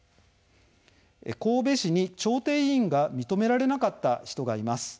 神戸市に調停委員が認められなかった人がいます。